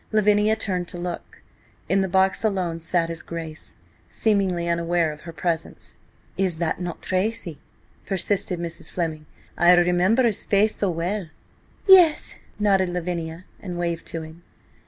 Lavinia turned to look. In the box, alone, sat his Grace, seemingly unaware of her presence. "Is it not Tracy?" persisted Mrs. Fleming. "I remember his face so well." "Yes," nodded Lavinia, and waved to him.